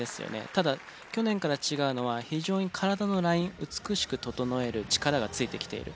ただ去年から違うのは非常に体のライン美しく整える力がついてきている。